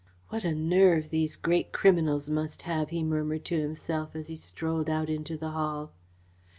"What a nerve these great criminals must have," he murmured to himself, as he strolled out into the hall.